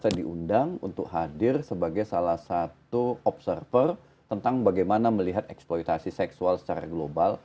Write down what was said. saya diundang untuk hadir sebagai salah satu observer tentang bagaimana melihat eksploitasi seksual secara global